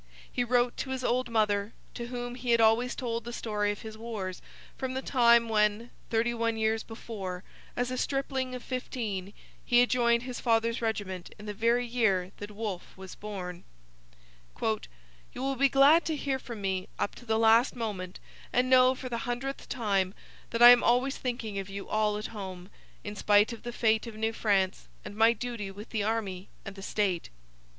He wrote to his old mother, to whom he had always told the story of his wars, from the time when, thirty one years before, as a stripling of fifteen, he had joined his father's regiment in the very year that Wolfe was born: 'You will be glad to hear from me up to the last moment and know, for the hundredth time, that I am always thinking of you all at home, in spite of the fate of New France and my duty with the army and the state.